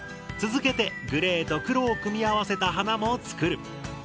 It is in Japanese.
続けてグレーと黒を組み合わせた花も作る。